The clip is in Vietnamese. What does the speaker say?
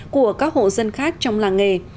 của các hộ dân khác trong làng nghề